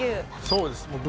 そうです。